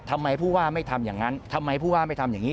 ทำไมผู้ว่าไม่ทำอย่างนั้นทำไมผู้ว่าไม่ทำอย่างนี้